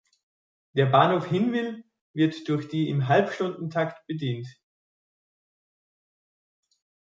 Der Bahnhof Hinwil wird durch die im Halbstundentakt bedient.